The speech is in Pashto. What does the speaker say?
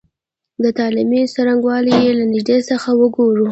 د تعامل څرنګوالی یې له نیږدې څخه وګورو.